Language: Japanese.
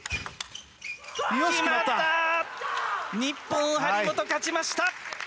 日本、張本勝ちました！